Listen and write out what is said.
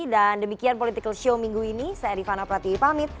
dan demikian political show minggu ia